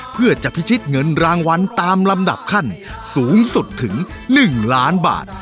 เพื่อจะพิชิตเงินรางวัลตามลำดับขั้นสูงสุดถึง๑ล้านบาท